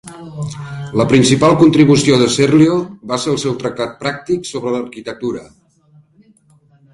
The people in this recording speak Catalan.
La principal contribució de Serlio va ser el seu tractat pràctic sobre arquitectura.